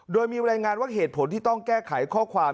โดยมีรายงานว่าเหตุผลที่ต้องแก้ไขข้อความ